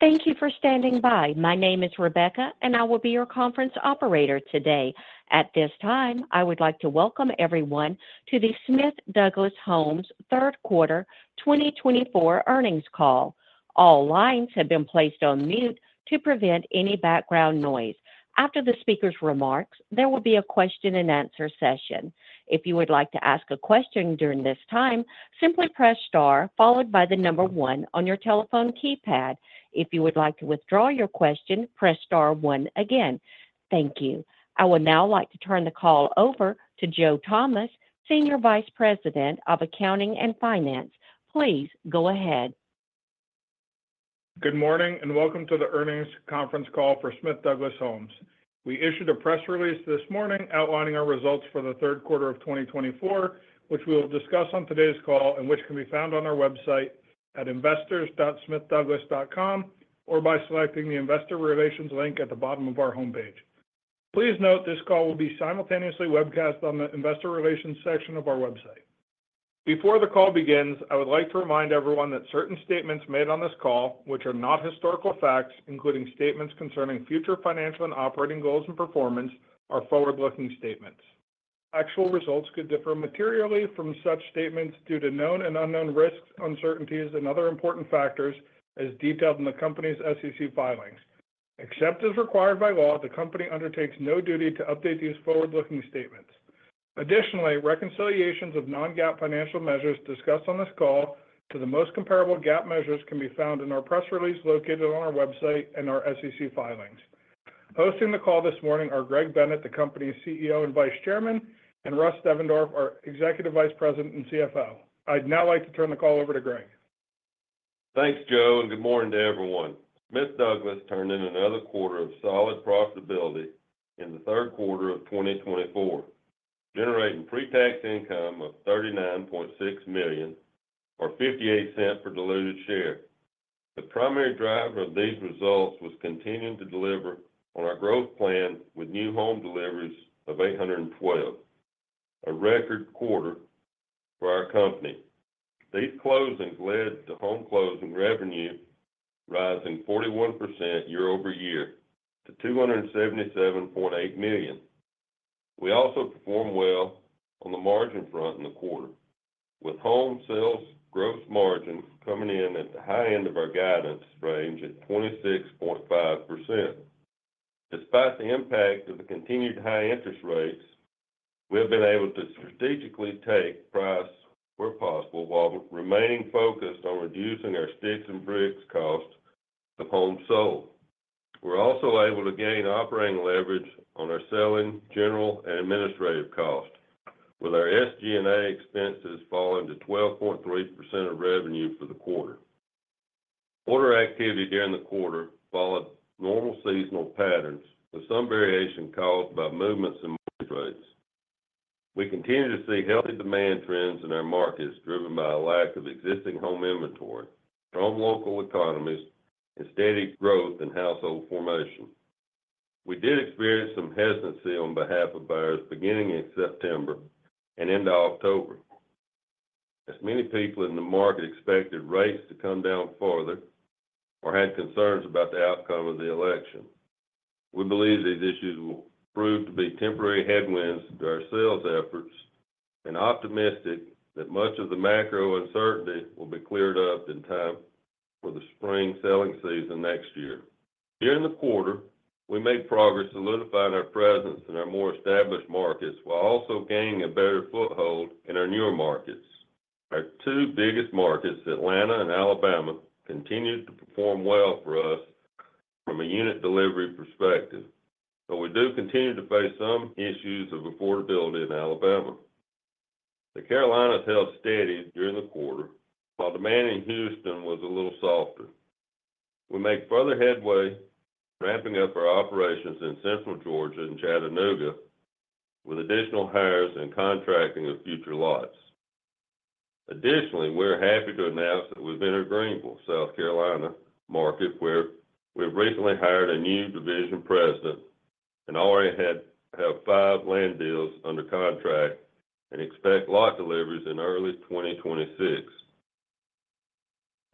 Thank you for standing by. My name is Rebecca, and I will be your conference operator today. At this time, I would like to welcome everyone to the Smith Douglas Homes third quarter 2024 earnings call. All lines have been placed on mute to prevent any background noise. After the speaker's remarks, there will be a question-and-answer session. If you would like to ask a question during this time, simply press star followed by the number one on your telephone keypad. If you would like to withdraw your question, press star one again. Thank you. I would now like to turn the call over to Joe Thomas, Senior Vice President of Accounting and Finance. Please go ahead. Good morning and welcome to the earnings conference call for Smith Douglas Homes. We issued a press release this morning outlining our results for the third quarter of 2024, which we will discuss on today's call and which can be found on our website at investors.smithdouglas.com or by selecting the investor relations link at the bottom of our homepage. Please note this call will be simultaneously webcast on the investor relations section of our website. Before the call begins, I would like to remind everyone that certain statements made on this call, which are not historical facts, including statements concerning future financial and operating goals and performance, are forward-looking statements. Actual results could differ materially from such statements due to known and unknown risks, uncertainties, and other important factors as detailed in the company's SEC filings. Except as required by law, the company undertakes no duty to update these forward-looking statements. Additionally, reconciliations of non-GAAP financial measures discussed on this call to the most comparable GAAP measures can be found in our press release located on our website and our SEC filings. Hosting the call this morning are Greg Bennett, the company's CEO and Vice Chairman, and Russ Devendorf, our Executive Vice President and CFO. I'd now like to turn the call over to Greg. Thanks, Joe, and good morning to everyone. Smith Douglas turned in another quarter of solid profitability in the third quarter of 2024, generating pre-tax income of $39.6 million or $0.58 per diluted share. The primary driver of these results was continuing to deliver on our growth plan with new home deliveries of 812, a record quarter for our company. These closings led to home closing revenue rising 41% year-over-year to $277.8 million. We also performed well on the margin front in the quarter, with home sales gross margin coming in at the high end of our guidance range at 26.5%. Despite the impact of the continued high interest rates, we have been able to strategically take price where possible while remaining focused on reducing our sticks and bricks cost of home sold. We're also able to gain operating leverage on our Selling, General, and Administrative cost, with our SG&A expenses falling to 12.3% of revenue for the quarter. Order activity during the quarter followed normal seasonal patterns, with some variation caused by movements in mortgage rates. We continue to see healthy demand trends in our markets driven by a lack of existing home inventory, strong local economies, and steady growth in household formation. We did experience some hesitancy on behalf of buyers beginning in September and into October, as many people in the market expected rates to come down further or had concerns about the outcome of the election. We believe these issues will prove to be temporary headwinds to our sales efforts and optimistic that much of the macro uncertainty will be cleared up in time for the spring selling season next year. During the quarter, we made progress solidifying our presence in our more established markets while also gaining a better foothold in our newer markets. Our two biggest markets, Atlanta and Alabama, continued to perform well for us from a unit delivery perspective, but we do continue to face some issues of affordability in Alabama. The Carolinas held steady during the quarter, while demand in Houston was a little softer. We made further headway, ramping up our operations in Central Georgia and Chattanooga, with additional hires and contracting of future lots. Additionally, we're happy to announce that we've been agreeable to the South Carolina market, where we've recently hired a new division president and already have five land deals under contract and expect lot deliveries in early 2026.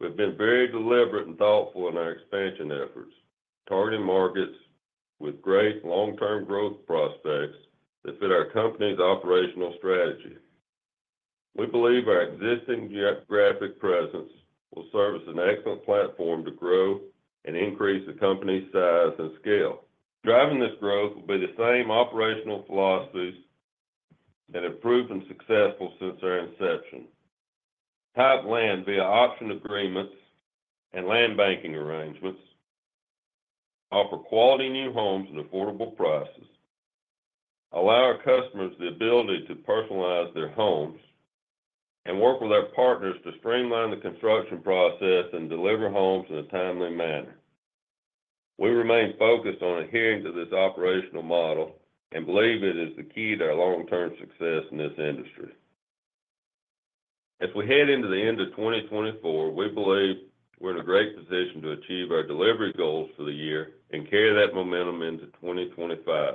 We've been very deliberate and thoughtful in our expansion efforts, targeting markets with great long-term growth prospects that fit our company's operational strategy. We believe our existing geographic presence will serve as an excellent platform to grow and increase the company's size and scale. Driving this growth will be the same operational philosophies that have proven successful since our inception. Control land via option agreements and land banking arrangements offer quality new homes at affordable prices, allow our customers the ability to personalize their homes, and work with our partners to streamline the construction process and deliver homes in a timely manner. We remain focused on adhering to this operational model and believe it is the key to our long-term success in this industry. As we head into the end of 2024, we believe we're in a great position to achieve our delivery goals for the year and carry that momentum into 2025.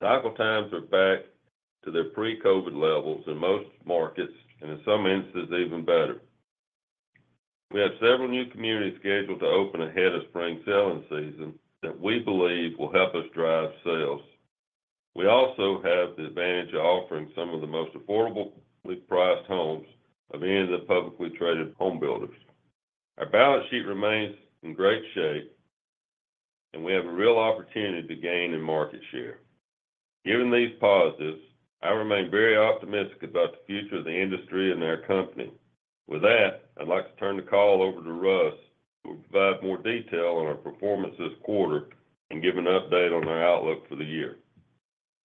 Cycle times are back to their pre-COVID levels in most markets and, in some instances, even better. We have several new communities scheduled to open ahead of spring selling season that we believe will help us drive sales. We also have the advantage of offering some of the most affordably priced homes of any of the publicly traded home builders. Our balance sheet remains in great shape, and we have a real opportunity to gain in market share. Given these positives, I remain very optimistic about the future of the industry and our company. With that, I'd like to turn the call over to Russ, who will provide more detail on our performance this quarter and give an update on our outlook for the year.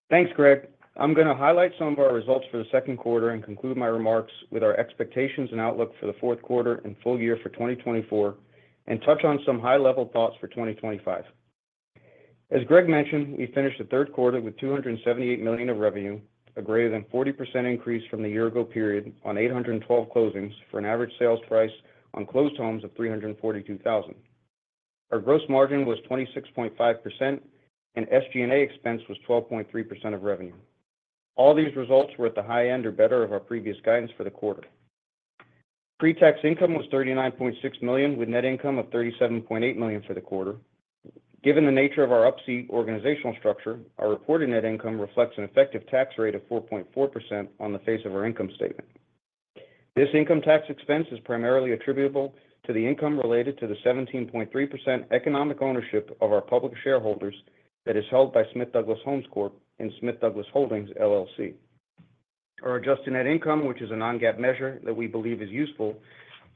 Thanks, Greg. I'm going to highlight some of our results for the second quarter and conclude my remarks with our expectations and outlook for the fourth quarter and full year for 2024, and touch on some high-level thoughts for 2025. As Greg mentioned, we finished the third quarter with $278 million of revenue, a greater than 40% increase from the year-ago period on 812 closings for an average sales price on closed homes of $342,000. Our gross margin was 26.5%, and SG&A expense was 12.3% of revenue. All these results were at the high end or better of our previous guidance for the quarter. Pre-tax income was $39.6 million, with net income of $37.8 million for the quarter. Given the nature of our Up-C organizational structure, our reported net income reflects an effective tax rate of 4.4% on the face of our income statement. This income tax expense is primarily attributable to the income related to the 17.3% economic ownership of our public shareholders that is held by Smith Douglas Homes Corp. and Smith Douglas Holdings, LLC. Our adjusted net income, which is a non-GAAP measure that we believe is useful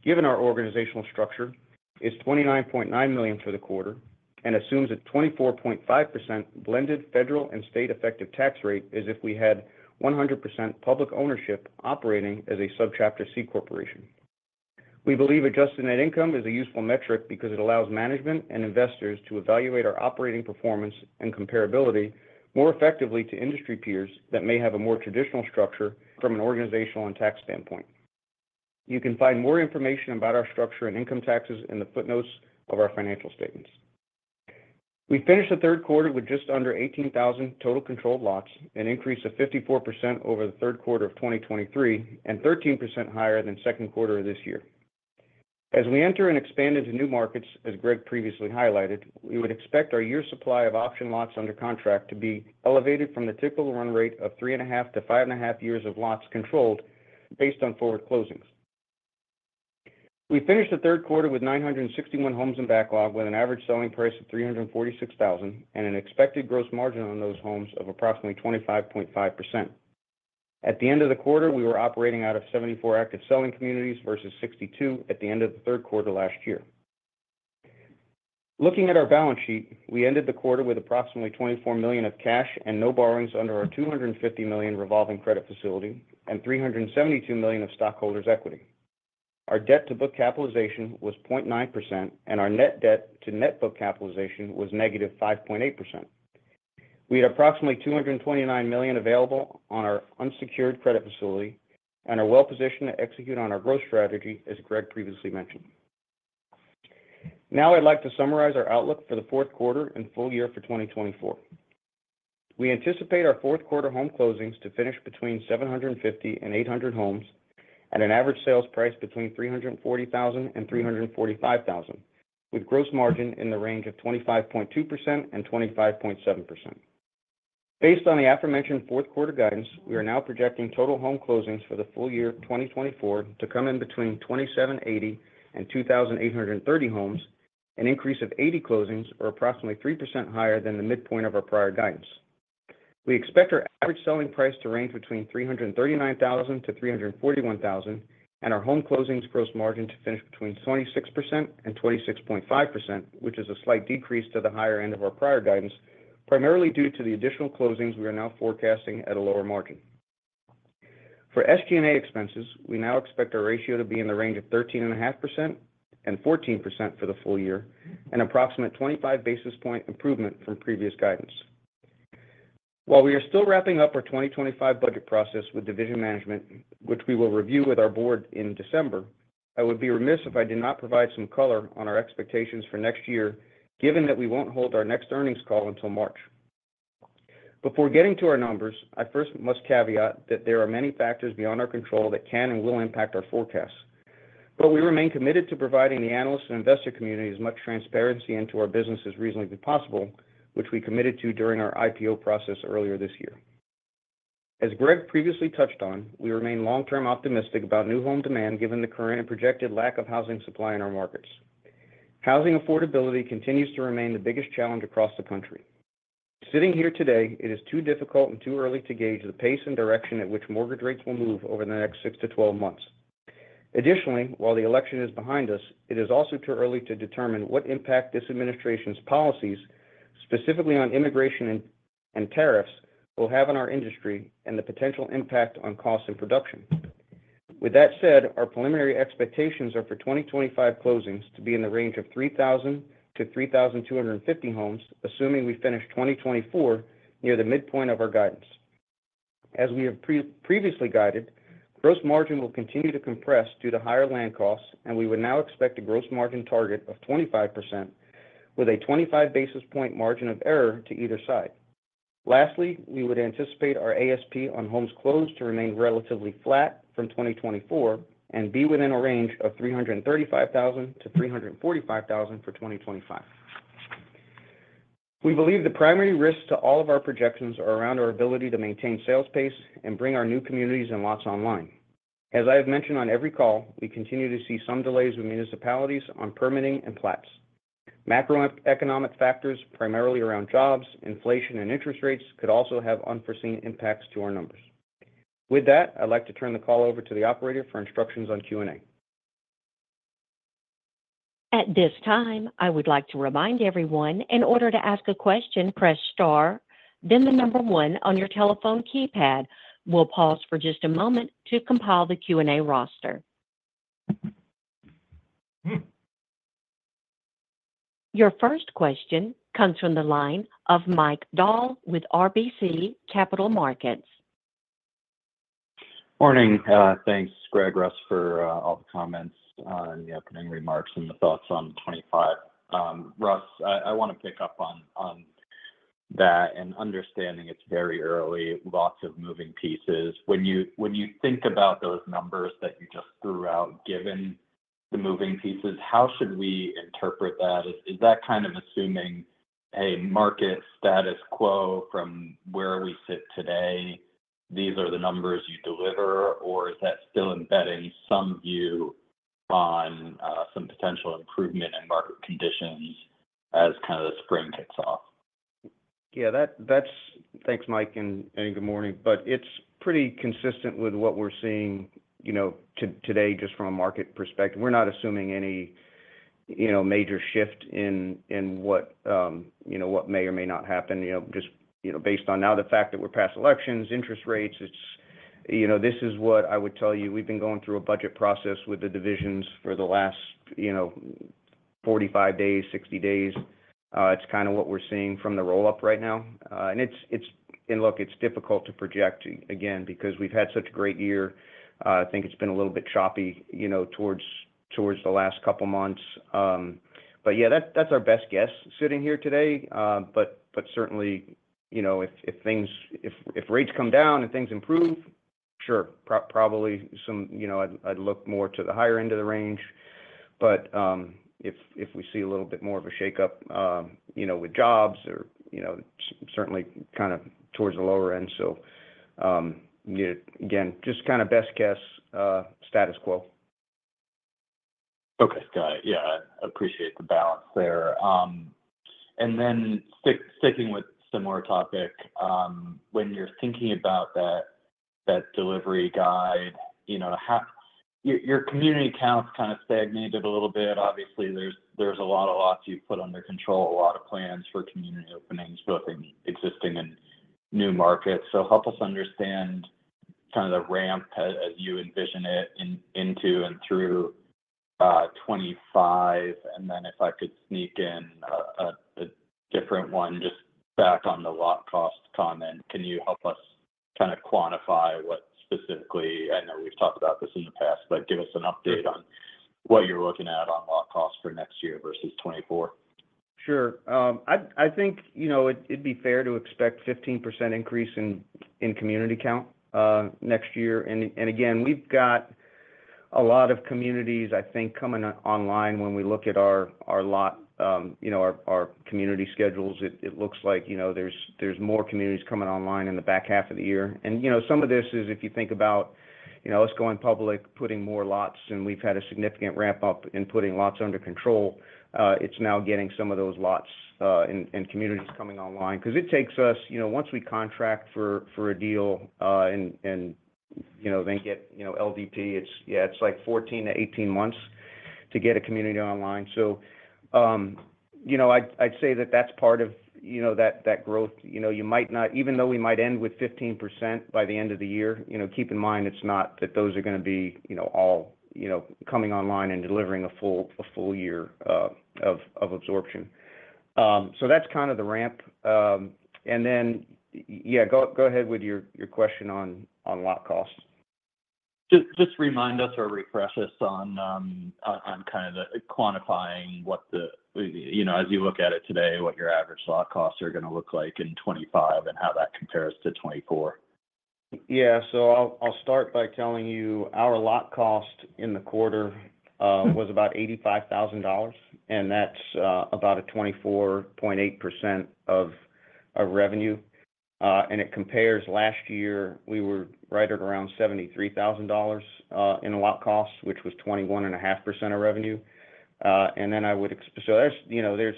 given our organizational structure, is $29.9 million for the quarter and assumes a 24.5% blended federal and state effective tax rate as if we had 100% public ownership operating as a subchapter C corporation. We believe adjusted net income is a useful metric because it allows management and investors to evaluate our operating performance and comparability more effectively to industry peers that may have a more traditional structure from an organizational and tax standpoint. You can find more information about our structure and income taxes in the footnotes of our financial statements. We finished the third quarter with just under 18,000 total controlled lots, an increase of 54% over the third quarter of 2023 and 13% higher than second quarter of this year. As we enter and expand into new markets, as Greg previously highlighted, we would expect our year's supply of option lots under contract to be elevated from the typical run rate of three and a half to five and a half years of lots controlled based on forward closings. We finished the third quarter with 961 homes in backlog, with an average selling price of $346,000 and an expected gross margin on those homes of approximately 25.5%. At the end of the quarter, we were operating out of 74 active selling communities versus 62 at the end of the third quarter last year. Looking at our balance sheet, we ended the quarter with approximately $24 million of cash and no borrowings under our $250 million revolving credit facility and $372 million of stockholders' equity. Our debt-to-book capitalization was 0.9%, and our net debt-to-net book capitalization was negative 5.8%. We had approximately $229 million available on our unsecured credit facility and are well-positioned to execute on our growth strategy, as Greg previously mentioned. Now, I'd like to summarize our outlook for the fourth quarter and full year for 2024. We anticipate our fourth quarter home closings to finish between 750 and 800 homes at an average sales price between $340,000 and $345,000, with gross margin in the range of 25.2% and 25.7%. Based on the aforementioned fourth quarter guidance, we are now projecting total home closings for the full year 2024 to come in between 2,780-2,830 homes, an increase of 80 closings or approximately 3% higher than the midpoint of our prior guidance. We expect our average selling price to range between $339,000-$341,000 and our home closings gross margin to finish between 26%-26.5%, which is a slight decrease to the higher end of our prior guidance, primarily due to the additional closings we are now forecasting at a lower margin. For SG&A expenses, we now expect our ratio to be in the range of 13.5%-14% for the full year and an approximate 25 basis points improvement from previous guidance. While we are still wrapping up our 2025 budget process with division management, which we will review with our board in December, I would be remiss if I did not provide some color on our expectations for next year, given that we won't hold our next earnings call until March. Before getting to our numbers, I first must caveat that there are many factors beyond our control that can and will impact our forecasts, but we remain committed to providing the analysts and investor community as much transparency into our business as reasonably possible, which we committed to during our IPO process earlier this year. As Greg previously touched on, we remain long-term optimistic about new home demand given the current and projected lack of housing supply in our markets. Housing affordability continues to remain the biggest challenge across the country. Sitting here today, it is too difficult and too early to gauge the pace and direction at which mortgage rates will move over the next 6 to 12 months. Additionally, while the election is behind us, it is also too early to determine what impact this administration's policies, specifically on immigration and tariffs, will have on our industry and the potential impact on costs and production. With that said, our preliminary expectations are for 2025 closings to be in the range of 3,000 to 3,250 homes, assuming we finish 2024 near the midpoint of our guidance. As we have previously guided, gross margin will continue to compress due to higher land costs, and we would now expect a gross margin target of 25% with a 25 basis points margin of error to either side. Lastly, we would anticipate our ASP on homes closed to remain relatively flat from 2024 and be within a range of $335,000-$345,000 for 2025. We believe the primary risks to all of our projections are around our ability to maintain sales pace and bring our new communities and lots online. As I have mentioned on every call, we continue to see some delays with municipalities on permitting and plats. Macroeconomic factors, primarily around jobs, inflation, and interest rates, could also have unforeseen impacts to our numbers. With that, I'd like to turn the call over to the operator for instructions on Q&A. At this time, I would like to remind everyone in order to ask a question, press star, then the number one on your telephone keypad. We'll pause for just a moment to compile the Q&A roster. Your first question comes from the line of Mike Dahl with RBC Capital Markets. Morning. Thanks, Greg, Russ, for all the comments on the opening remarks and the thoughts on 2025. Russ, I want to pick up on that and understanding it's very early, lots of moving pieces. When you think about those numbers that you just threw out, given the moving pieces, how should we interpret that? Is that kind of assuming a market status quo from where we sit today, these are the numbers you deliver, or is that still embedding some view on some potential improvement in market conditions as kind of the spring kicks off? Yeah, that's. Thanks, Mike, and good morning, but it's pretty consistent with what we're seeing today just from a market perspective. We're not assuming any major shift in what may or may not happen. Just based on now the fact that we're past elections, interest rates, this is what I would tell you. We've been going through a budget process with the divisions for the last 45 days, 60 days. It's kind of what we're seeing from the roll-up right now. And look, it's difficult to project, again, because we've had such a great year. I think it's been a little bit choppy towards the last couple of months, but yeah, that's our best guess sitting here today, but certainly, if rates come down and things improve, sure, probably I'd look more to the higher end of the range. But if we see a little bit more of a shake-up with jobs, certainly kind of towards the lower end. So again, just kind of best guess status quo. Okay. Got it. Yeah. I appreciate the balance there. And then sticking with a similar topic, when you're thinking about that delivery guide, your community accounts kind of stagnated a little bit. Obviously, there's a lot of lots you've put under control, a lot of plans for community openings, both in existing and new markets. So help us understand kind of the ramp as you envision it into and through 2025. And then if I could sneak in a different one, just back on the lot cost comment, can you help us kind of quantify what specifically, I know we've talked about this in the past, but give us an update on what you're looking at on lot cost for next year versus 2024? Sure. I think it'd be fair to expect a 15% increase in community count next year. And again, we've got a lot of communities, I think, coming online when we look at our lot, our community schedules. It looks like there's more communities coming online in the back half of the year. And some of this is if you think about us going public, putting more lots, and we've had a significant ramp-up in putting lots under control. It's now getting some of those lots and communities coming online because it takes us, once we contract for a deal and then get LDP, yeah, it's like 14-18 months to get a community online. So I'd say that that's part of that growth. You might not, even though we might end with 15% by the end of the year, keep in mind it's not that those are going to be all coming online and delivering a full year of absorption, so that's kind of the ramp, and then, yeah, go ahead with your question on lot cost. Just remind us or refresh us on kind of quantifying what the, as you look at it today, what your average lot costs are going to look like in 2025 and how that compares to 2024? Yeah. So I'll start by telling you our lot cost in the quarter was about $85,000, and that's about a 24.8% of our revenue, and it compares last year, we were right at around $73,000 in lot costs, which was 21.5% of revenue, and then so there's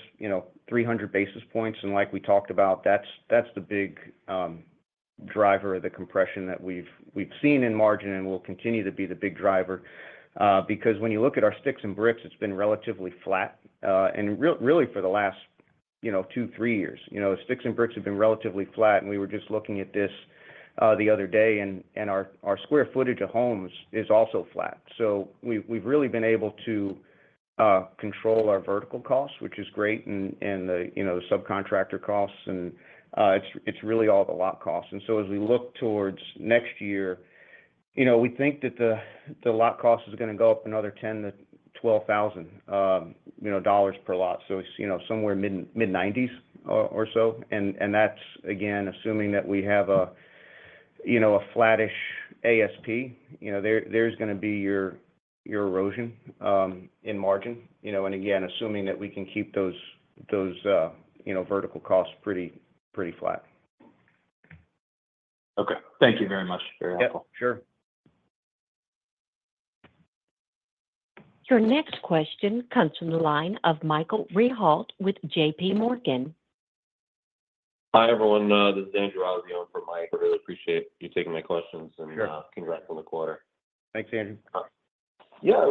300 basis points, and like we talked about, that's the big driver of the compression that we've seen in margin and will continue to be the big driver because when you look at our sticks and bricks, it's been relatively flat, and really, for the last two, three years, sticks and bricks have been relatively flat, and we were just looking at this the other day, and our square footage of homes is also flat, so we've really been able to control our vertical costs, which is great, and the subcontractor costs, and it's really all the lot costs. And so as we look towards next year, we think that the lot cost is going to go up another $10,000-$12,000 per lot. So it's somewhere mid-90s or so. And that's, again, assuming that we have a flattish ASP. There's going to be your erosion in margin. And again, assuming that we can keep those vertical costs pretty flat. Okay. Thank you very much. Very helpful. Yeah. Sure. Your next question comes from the line of Michael Rehaut with J.P. Morgan. Hi, everyone. This is Andrew Olsen for Mike. Really appreciate you taking my questions and congrats on the quarter. Thanks, Andrew. Yeah.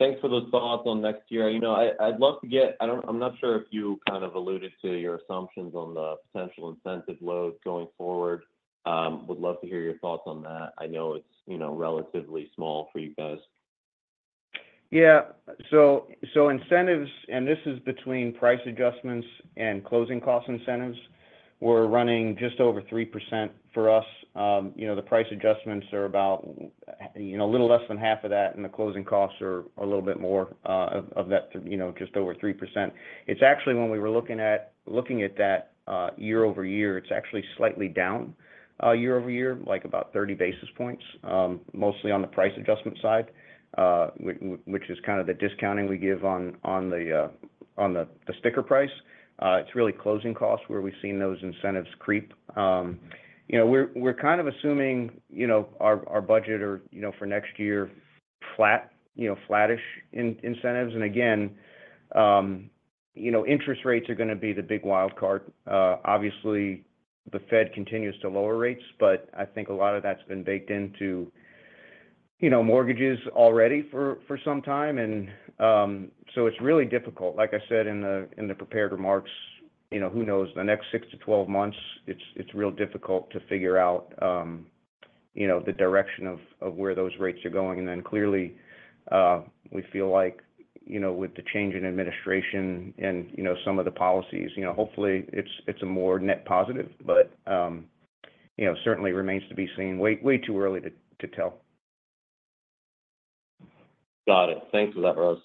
Thanks for the thoughts on next year. I'd love to get. I'm not sure if you kind of alluded to your assumptions on the potential incentive load going forward. Would love to hear your thoughts on that. I know it's relatively small for you guys. Yeah. So incentives, and this is between price adjustments and closing cost incentives, we're running just over 3% for us. The price adjustments are about a little less than half of that, and the closing costs are a little bit more of that, just over 3%. It's actually when we were looking at that year-over-year, it's actually slightly down year-over-year, like about 30 basis points, mostly on the price adjustment side, which is kind of the discounting we give on the sticker price. It's really closing costs where we've seen those incentives creep. We're kind of assuming our budget for next year is flat, flattish incentives. And again, interest rates are going to be the big wild card. Obviously, the Fed continues to lower rates, but I think a lot of that's been baked into mortgages already for some time. And so it's really difficult. Like I said in the prepared remarks, who knows the next six to 12 months, it's real difficult to figure out the direction of where those rates are going. And then clearly, we feel like with the change in administration and some of the policies, hopefully, it's a more net positive, but certainly remains to be seen. Way too early to tell. Got it. Thanks for that, Russ.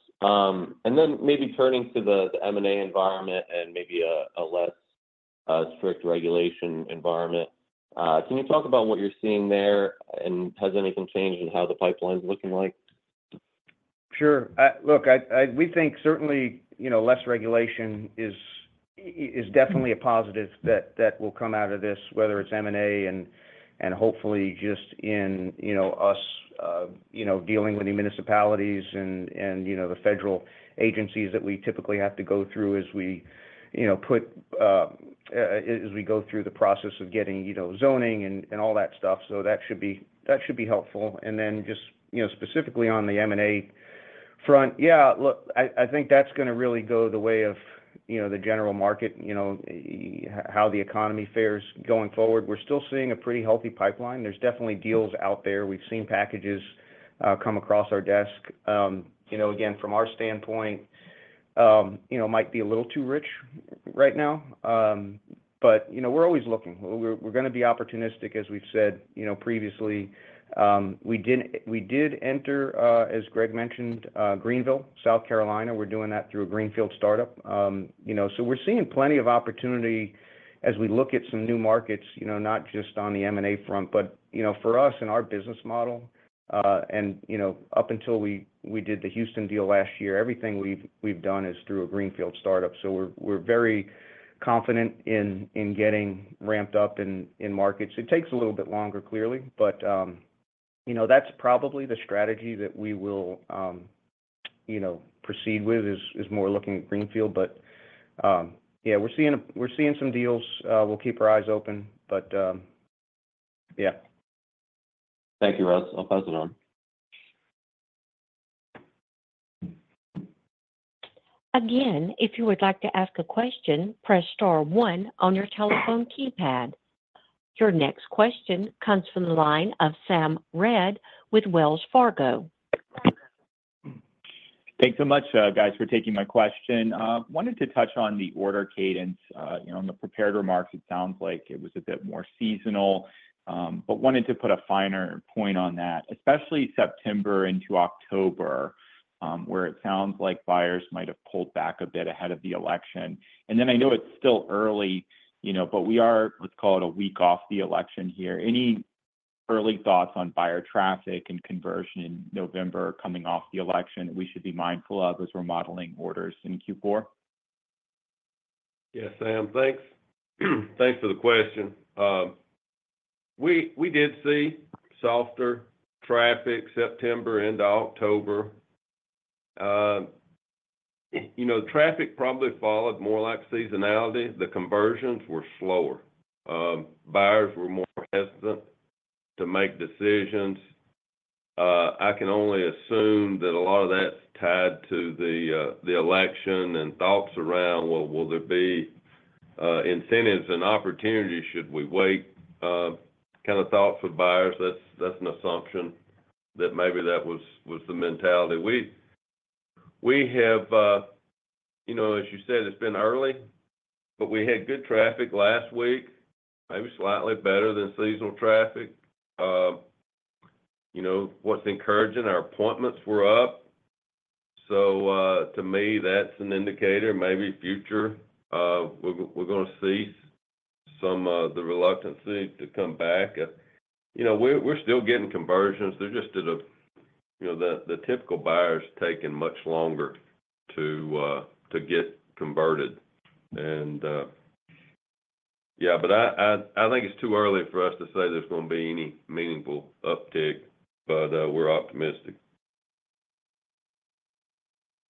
And then maybe turning to the M&A environment and maybe a less strict regulation environment, can you talk about what you're seeing there and has anything changed in how the pipeline's looking like? Sure. Look, we think certainly less regulation is definitely a positive that will come out of this, whether it's M&A and hopefully just in us dealing with the municipalities and the federal agencies that we typically have to go through as we go through the process of getting zoning and all that stuff. So that should be helpful. And then just specifically on the M&A front, yeah, look, I think that's going to really go the way of the general market, how the economy fares going forward. We're still seeing a pretty healthy pipeline. There's definitely deals out there. We've seen packages come across our desk. Again, from our standpoint, it might be a little too rich right now, but we're always looking. We're going to be opportunistic, as we've said previously. We did enter, as Greg mentioned, Greenville, South Carolina. We're doing that through a Greenfield startup. So we're seeing plenty of opportunity as we look at some new markets, not just on the M&A front, but for us and our business model. And up until we did the Houston deal last year, everything we've done is through a Greenfield startup. So we're very confident in getting ramped up in markets. It takes a little bit longer, clearly, but that's probably the strategy that we will proceed with is more looking at Greenfield. But yeah, we're seeing some deals. We'll keep our eyes open, but yeah. Thank you, Russ. I'll pass it on. Again, if you would like to ask a question, press star one on your telephone keypad. Your next question comes from the line of Sam Reid with Wells Fargo. Thanks so much, guys, for taking my question. Wanted to touch on the order cadence. On the prepared remarks, it sounds like it was a bit more seasonal, but wanted to put a finer point on that, especially September into October, where it sounds like buyers might have pulled back a bit ahead of the election. And then I know it's still early, but we are, let's call it a week off the election here. Any early thoughts on buyer traffic and conversion in November coming off the election that we should be mindful of as we're modeling orders in Q4? Yes, Sam. Thanks. Thanks for the question. We did see softer traffic September into October. Traffic probably followed more like seasonality. The conversions were slower. Buyers were more hesitant to make decisions. I can only assume that a lot of that's tied to the election and thoughts around, well, will there be incentives and opportunities? Should we wait? Kind of thoughts with buyers. That's an assumption that maybe that was the mentality. We have, as you said, it's been early, but we had good traffic last week, maybe slightly better than seasonal traffic. What's encouraging? Our appointments were up. So to me, that's an indicator. Maybe future, we're going to see some of the reluctance to come back. We're still getting conversions. They're just the typical buyer's taken much longer to get converted. Yeah, but I think it's too early for us to say there's going to be any meaningful uptick, but we're optimistic.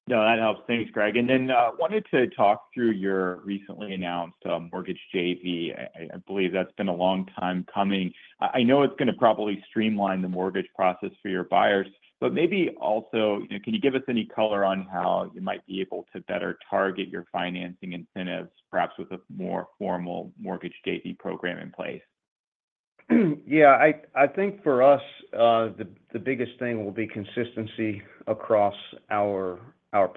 No, that helps. Thanks, Greg. And then I wanted to talk through your recently announced mortgage JV. I believe that's been a long time coming. I know it's going to probably streamline the mortgage process for your buyers, but maybe also, can you give us any color on how you might be able to better target your financing incentives, perhaps with a more formal mortgage JV program in place? Yeah. I think for us, the biggest thing will be consistency across our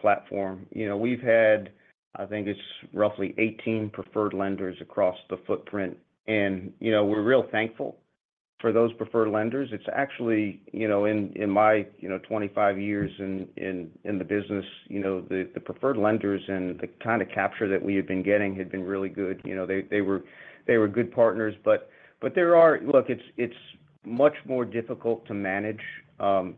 platform. We've had, I think it's roughly 18 preferred lenders across the footprint, and we're real thankful for those preferred lenders. It's actually, in my 25 years in the business, the preferred lenders and the kind of capture that we had been getting had been really good. They were good partners, but there are. Look, it's much more difficult to manage those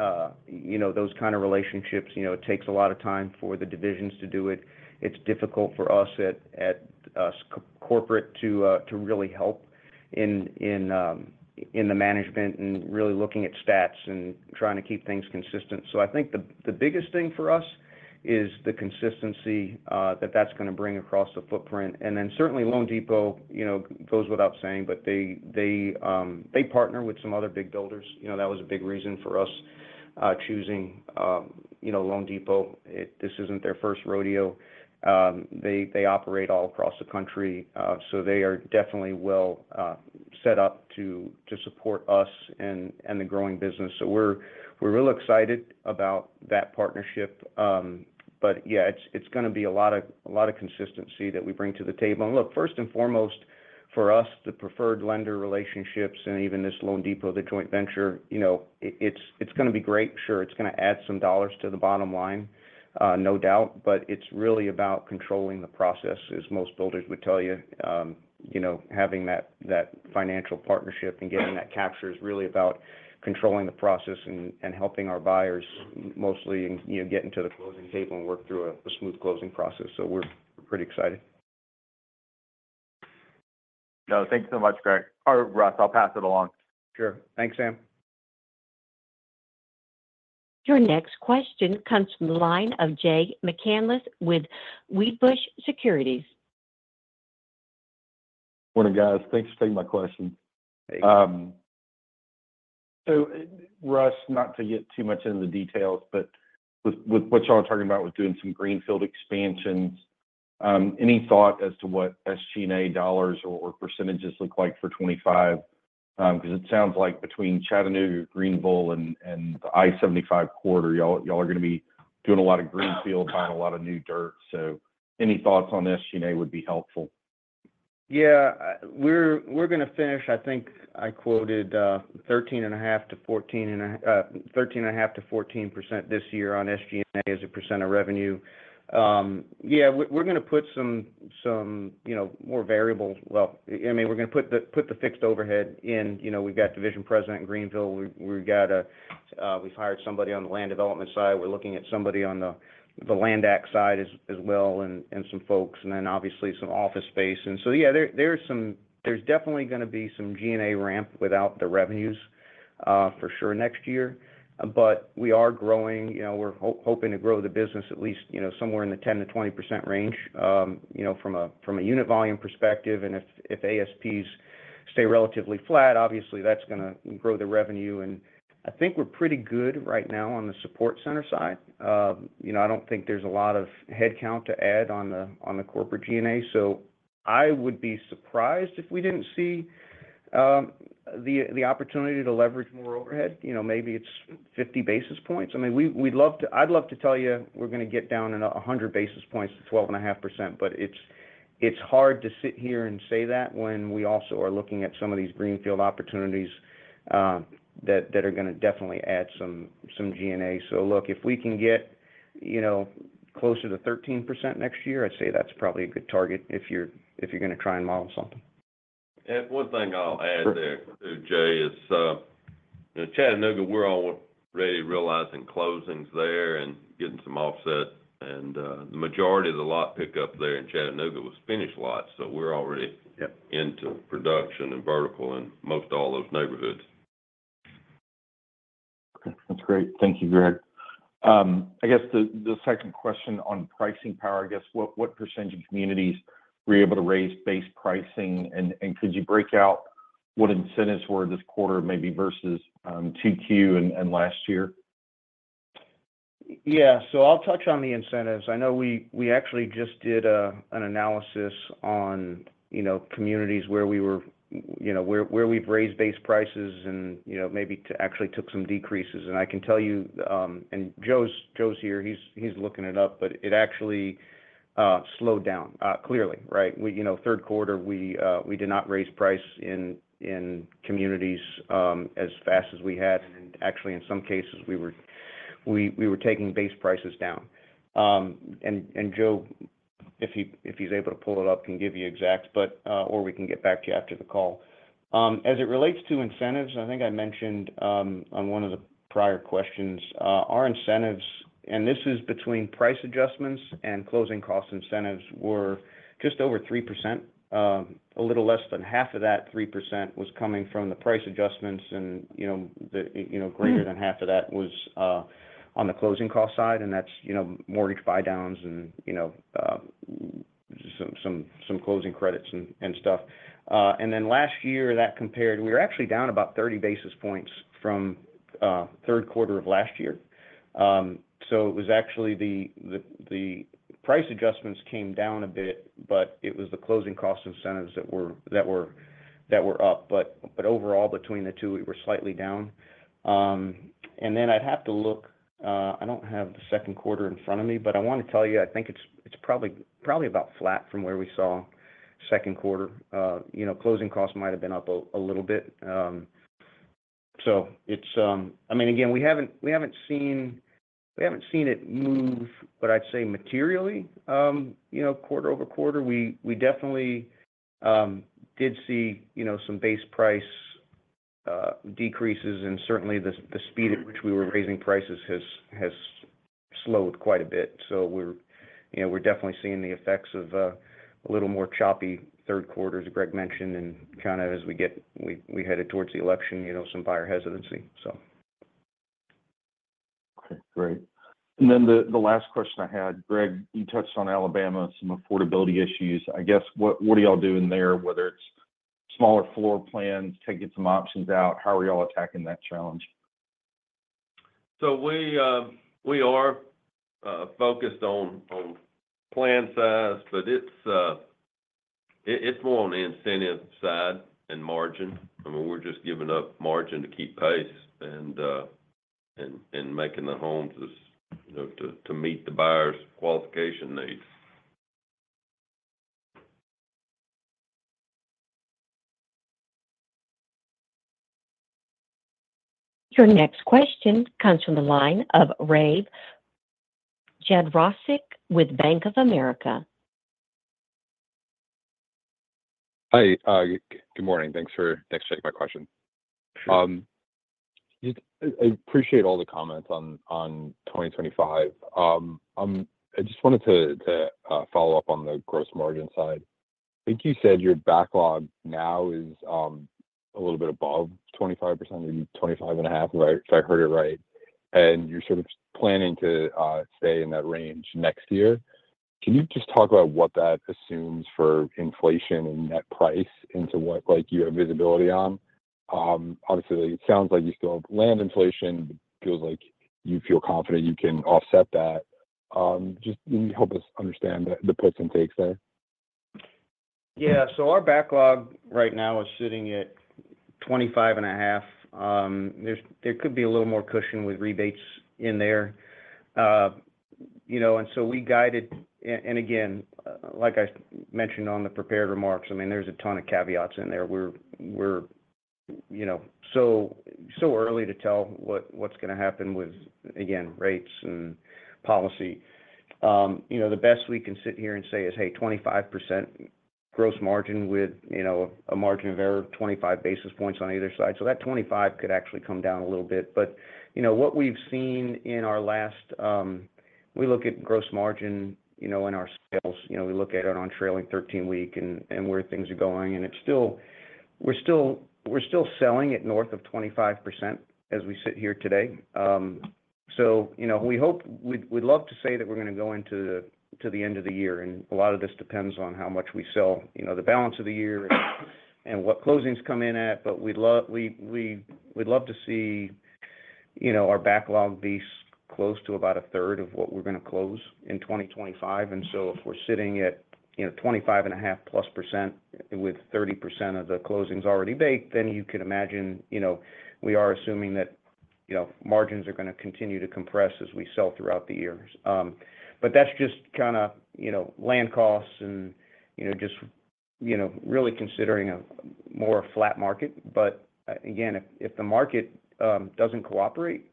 kind of relationships. It takes a lot of time for the divisions to do it. It's difficult for us at corporate to really help in the management and really looking at stats and trying to keep things consistent. So I think the biggest thing for us is the consistency that that's going to bring across the footprint, and then certainly, loanDepot goes without saying, but they partner with some other big builders. That was a big reason for us choosing loanDepot. This isn't their first rodeo. They operate all across the country, so they are definitely well set up to support us and the growing business. So we're real excited about that partnership. But yeah, it's going to be a lot of consistency that we bring to the table. And look, first and foremost for us, the preferred lender relationships and even this loanDepot, the joint venture, it's going to be great. Sure, it's going to add some dollars to the bottom line, no doubt, but it's really about controlling the process, as most builders would tell you. Having that financial partnership and getting that capture is really about controlling the process and helping our buyers mostly get into the closing table and work through a smooth closing process. So we're pretty excited. No, thanks so much, Greg, or Russ. I'll pass it along. Sure. Thanks, Sam. Your next question comes from the line of Jay McCanless with Wedbush Securities. Morning, guys. Thanks for taking my question. Thanks. So Russ, not to get too much into the details, but with what y'all are talking about with doing some Greenfield expansions, any thought as to what SG&A dollars or percentages look like for 2025? Because it sounds like between Chattanooga, Greenville, and the I-75 corridor, y'all are going to be doing a lot of Greenfield, buying a lot of new dirt. So any thoughts on SG&A would be helpful. Yeah. We're going to finish, I think I quoted 13.5% to 14 and a half to 14% this year on SG&A as a percent of revenue. Yeah, we're going to put some more variable, well, I mean, we're going to put the fixed overhead in. We've got division president in Greenville. We've hired somebody on the land development side. We're looking at somebody on the land acquisition side as well and some folks, and then obviously some office space. And so yeah, there's definitely going to be some G&A ramp without the revenues for sure next year. But we are growing. We're hoping to grow the business at least somewhere in the 10%-20% range from a unit volume perspective. And if ASPs stay relatively flat, obviously that's going to grow the revenue. And I think we're pretty good right now on the support center side. I don't think there's a lot of headcount to add on the corporate G&A. So I would be surprised if we didn't see the opportunity to leverage more overhead. Maybe it's 50 basis points. I mean, I'd love to tell you we're going to get down in 100 basis points to 12.5%, but it's hard to sit here and say that when we also are looking at some of these Greenfield opportunities that are going to definitely add some G&A. So look, if we can get closer to 13% next year, I'd say that's probably a good target if you're going to try and model something. One thing I'll add there too, Jay, is Chattanooga. We're already realizing closings there and getting some offset. The majority of the lot pickup there in Chattanooga was finished lots, so we're already into production and vertical in most all those neighborhoods. That's great. Thank you, Greg. I guess the second question on pricing power, I guess. What percentage of communities were you able to raise base pricing? Could you break out what incentives were this quarter maybe versus 2Q and last year? Yeah, so I'll touch on the incentives. I know we actually just did an analysis on communities where we've raised base prices and maybe actually took some decreases. And I can tell you, and Joe's here, he's looking it up, but it actually slowed down clearly, right? Third quarter, we did not raise price in communities as fast as we had. And actually, in some cases, we were taking base prices down. And Joe, if he's able to pull it up, can give you exact, or we can get back to you after the call. As it relates to incentives, I think I mentioned on one of the prior questions, our incentives, and this is between price adjustments and closing cost incentives, were just over 3%. A little less than half of that 3% was coming from the price adjustments, and greater than half of that was on the closing cost side, and that's mortgage buy downs and some closing credits and stuff. And then last year, that compared, we were actually down about 30 basis points from third quarter of last year. So it was actually the price adjustments came down a bit, but it was the closing cost incentives that were up. But overall, between the two, we were slightly down. And then I'd have to look. I don't have the second quarter in front of me, but I want to tell you, I think it's probably about flat from where we saw second quarter. Closing costs might have been up a little bit. So I mean, again, we haven't seen it move, but I'd say materially quarter-over-quarter. We definitely did see some base price decreases, and certainly the speed at which we were raising prices has slowed quite a bit. So we're definitely seeing the effects of a little more choppy third quarter, as Greg mentioned, and kind of as we headed towards the election, some buyer hesitancy, so. Okay. Great. And then the last question I had, Greg, you touched on Alabama, some affordability issues. I guess what are y'all doing there, whether it's smaller floor plans, taking some options out? How are y'all attacking that challenge? So we are focused on plan size, but it's more on the incentive side and margin. I mean, we're just giving up margin to keep pace and making the homes to meet the buyer's qualification needs. Your next question comes from the line of Rafe Jadrosich with Bank of America. Hi. Good morning. Thanks for taking my question. I appreciate all the comments on 2025. I just wanted to follow up on the gross margin side. I think you said your backlog now is a little bit above 25%, maybe 25.5%, if I heard it right. And you're sort of planning to stay in that range next year. Can you just talk about what that assumes for inflation and net price into what you have visibility on? Obviously, it sounds like you still have land inflation, but it feels like you feel confident you can offset that. Just help us understand the puts and takes there? Yeah. So our backlog right now is sitting at 25.5. There could be a little more cushion with rebates in there. And so we guided, and again, like I mentioned on the prepared remarks, I mean, there's a ton of caveats in there. We're so too early to tell what's going to happen with, again, rates and policy. The best we can sit here and say is, "Hey, 25% gross margin with a margin of error, 25 basis points on either side." So that 25 could actually come down a little bit. But what we've seen in our last. We look at gross margin in our sales. We look at it on trailing 13-week and where things are going. And we're still selling it north of 25% as we sit here today. So we'd love to say that we're going to go into the end of the year. And a lot of this depends on how much we sell, the balance of the year, and what closings come in at. But we'd love to see our backlog be close to about a third of what we're going to close in 2025. And so if we're sitting at 25.5-plus percent with 30% of the closings already baked, then you can imagine we are assuming that margins are going to continue to compress as we sell throughout the year. But that's just kind of land costs and just really considering a more flat market. But again, if the market doesn't cooperate,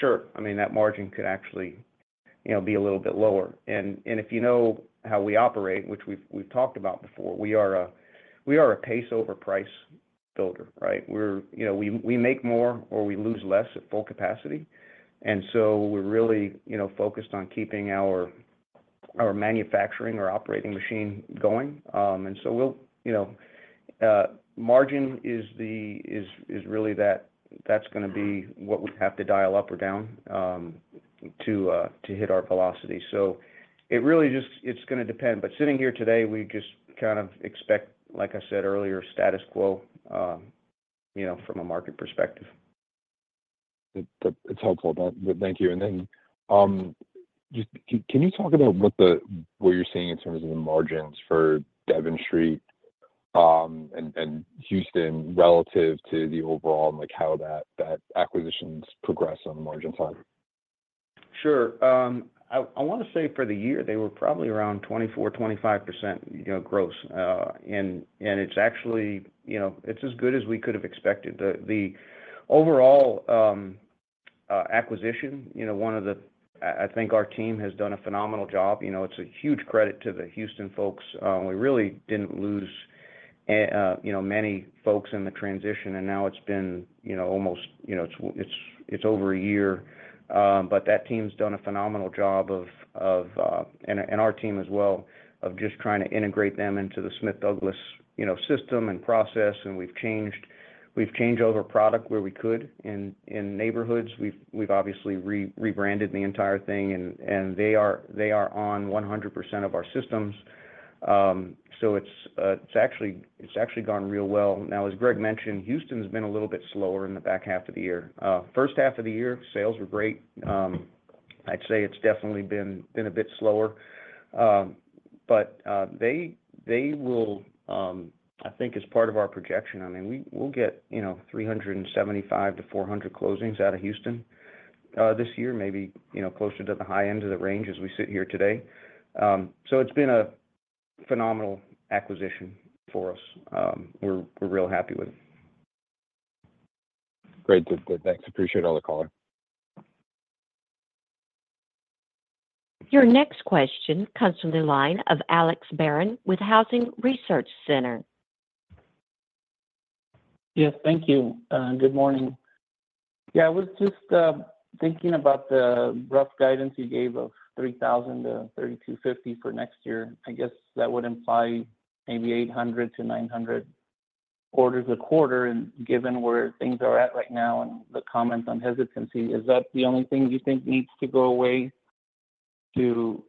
sure, I mean, that margin could actually be a little bit lower. And if you know how we operate, which we've talked about before, we are a pace over price builder, right? We make more or we lose less at full capacity. And so we're really focused on keeping our manufacturing, our operating machine going. And so margin is really that, that's going to be what we have to dial up or down to hit our velocity. So it really just, it's going to depend. But sitting here today, we just kind of expect, like I said earlier, status quo from a market perspective. It's helpful. Thank you. And then can you talk about what you're seeing in terms of the margins for Devon Street and Houston relative to the overall and how that acquisition's progress on the margin side? Sure. I want to say for the year, they were probably around 24%-25% gross. And it's actually as good as we could have expected. The overall acquisition, one of the, I think our team has done a phenomenal job. It's a huge credit to the Houston folks. We really didn't lose many folks in the transition, and now it's been almost, it's over a year. But that team's done a phenomenal job of and our team as well of just trying to integrate them into the Smith Douglas system and process. And we've changed over product where we could in neighborhoods. We've obviously rebranded the entire thing, and they are on 100% of our systems. So it's actually gone real well. Now, as Greg mentioned, Houston's been a little bit slower in the back half of the year. First half of the year, sales were great. I'd say it's definitely been a bit slower. But they will, I think, as part of our projection, I mean, we'll get 375-400 closings out of Houston this year, maybe closer to the high end of the range as we sit here today. So it's been a phenomenal acquisition for us. We're real happy with it. Great. Thanks. Appreciate all the color. Your next question comes from the line of Alex Barron with Housing Research Center. Yes. Thank you. Good morning. Yeah. I was just thinking about the rough guidance you gave of 3,000-3,250 for next year. I guess that would imply maybe 800-900 orders a quarter. And given where things are at right now and the comments on hesitancy, is that the only thing you think needs to go away to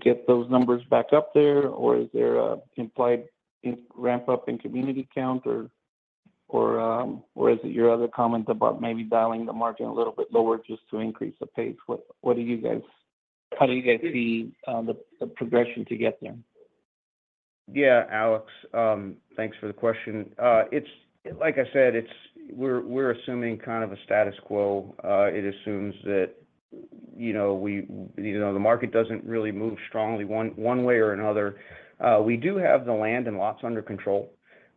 get those numbers back up there? Or is there an implied ramp up in community count? Or is it your other comment about maybe dialing the margin a little bit lower just to increase the pace? What do you guys, how do you guys see the progression to get there? Yeah, Alex, thanks for the question. Like I said, we're assuming kind of a status quo. It assumes that even though the market doesn't really move strongly one way or another, we do have the land and lots under control,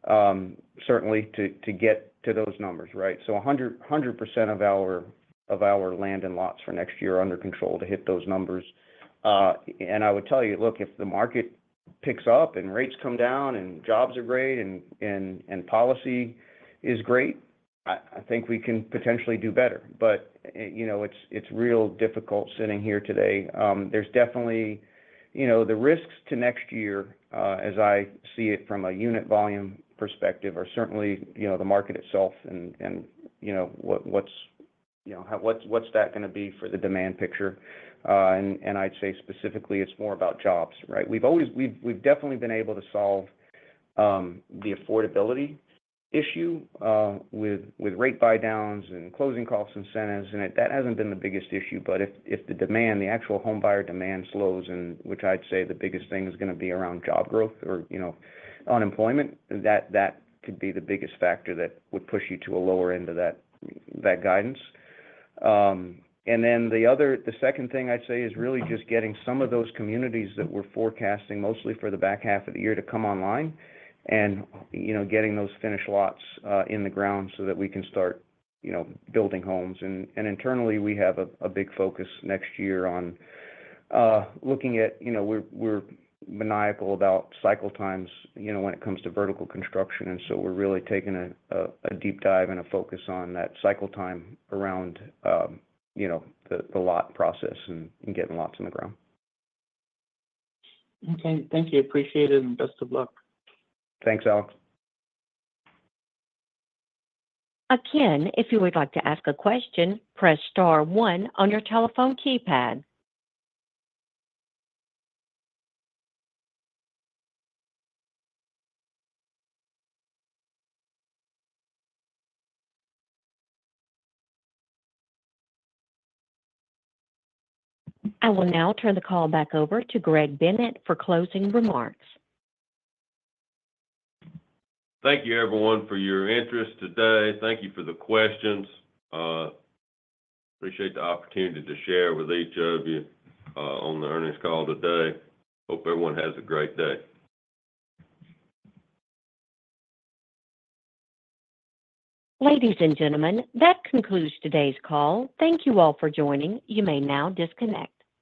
certainly, to get to those numbers, right? So 100% of our land and lots for next year are under control to hit those numbers. And I would tell you, look, if the market picks up and rates come down and jobs are great and policy is great, I think we can potentially do better. But it's real difficult sitting here today. There's definitely the risks to next year, as I see it from a unit volume perspective, are certainly the market itself and what's that going to be for the demand picture. And I'd say specifically, it's more about jobs, right? We've definitely been able to solve the affordability issue with rate buydowns and closing cost incentives, and that hasn't been the biggest issue, but if the demand, the actual home buyer demand slows, which I'd say the biggest thing is going to be around job growth or unemployment, that could be the biggest factor that would push you to a lower end of that guidance, and then the second thing I'd say is really just getting some of those communities that we're forecasting mostly for the back half of the year to come online and getting those finished lots in the ground so that we can start building homes, and internally, we have a big focus next year on looking at, we're maniacal about cycle times when it comes to vertical construction. And so we're really taking a deep dive and a focus on that cycle time around the lot process and getting lots in the ground. Okay. Thank you. Appreciate it and best of luck. Thanks, Alex. Again, if you would like to ask a question, press star 1 on your telephone keypad. I will now turn the call back over to Greg Bennett for closing remarks. Thank you, everyone, for your interest today. Thank you for the questions. Appreciate the opportunity to share with each of you on the earnings call today. Hope everyone has a great day. Ladies and gentlemen, that concludes today's call. Thank you all for joining. You may now disconnect.